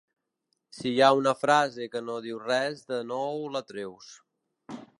Si hi ha una frase que no diu res de nou la treus.